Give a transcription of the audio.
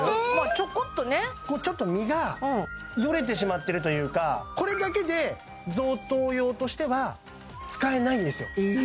ちょこっとね身がよれてしまってるというかこれだけで贈答用としては使えないんですよ